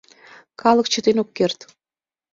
Калык чытен ок керт.